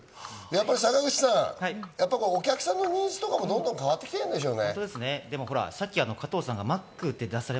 坂口さん、お客さんのニーズとかも変わってきてるんでしょうね。